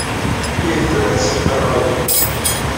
Ihi, tefriḍ-tt-id ed ṛṛay-nnem?